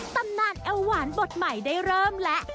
ตำนานแอลหวานบทใหม่ได้เริ่มแล้ว